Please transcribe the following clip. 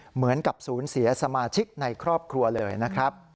เหมือนกับศูนย์เสียสมาชิกในครอบครัวเลยนะครับ